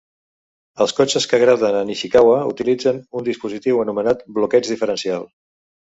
Els cotxes que agraden a Nishikawa utilitzen un dispositiu anomenat bloqueig diferencial.